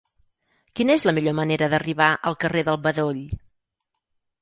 Quina és la millor manera d'arribar al carrer del Bedoll?